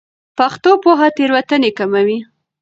پښتو پوهه تېروتنې کموي.